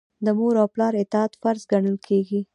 د مور او پلار اطاعت فرض ګڼل کیږي.